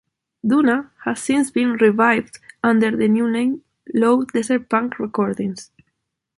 Duna has since been revived under the new name "Low Desert Punk Recordings".